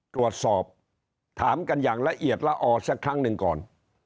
ตรวจสอบถามกันอย่างละเอียดละออสักครั้งหนึ่งก่อน